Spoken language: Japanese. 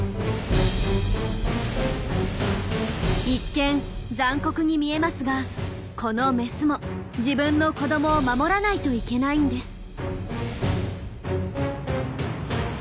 一見残酷に見えますがこのメスも自分の子どもを守らないといけないんです。